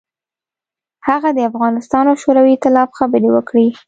هغه د افغانستان او شوروي اختلاف خبرې وکړې.